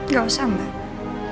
gak usah mbak